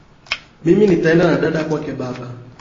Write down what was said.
Mimi nitaenda na dada kwake baba